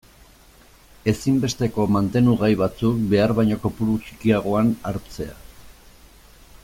Ezinbesteko mantenugai batzuk behar baino kopuru txikiagoan hartzea.